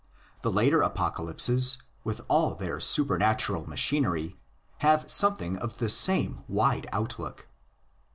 The later apocalypses, with all their supernatural machinery, have something of the same wide outlook.